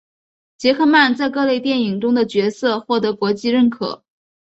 杰克曼在各类电影中的角色获得国际认可。